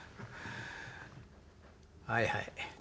はいはい。